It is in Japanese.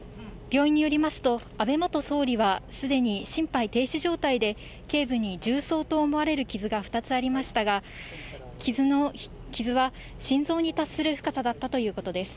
病院によりますと、安倍元総理は、すでに心肺停止状態で、けい部に銃創と思われる傷が２つありましたが、傷は心臓に達する深さだったということです。